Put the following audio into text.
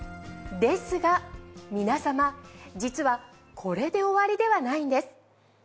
ですが皆様実はこれで終わりではないんです。